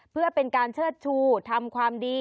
เพื่อเป็นการเชิดชูทำความดี